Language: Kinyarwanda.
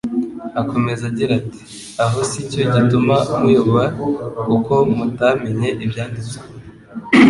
Akomeza agira ati: «aho sicyo gituma muyoba kuko mutamenye Ibyanditswe